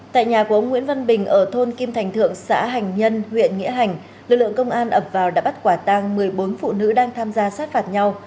tại nhà của ông nguyễn văn bình ở thôn kim thành thượng xã hành nhân huyện nghĩa hành lực lượng công an ập vào đã bắt quả tang một mươi bốn phụ nữ đang tham gia sát phạt nhau